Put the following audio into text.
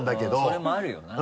それもあるよな。